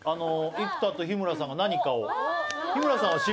生田と日村さんが何かを。